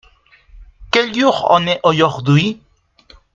Quel jour on est aujourd'hui ?